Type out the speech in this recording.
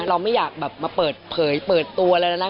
เราไม่อยากแบบมาเปิดเผยเปิดตัวอะไรนะ